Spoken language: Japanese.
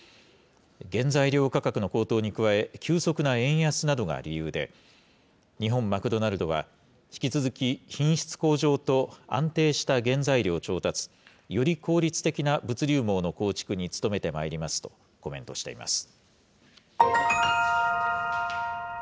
原材料価格の高騰に加え、急速な円安などが理由で、日本マクドナルドは、引き続き品質向上と安定した原材料調達、より効率的な物流網の構築に努めてまいりますとコメントしています。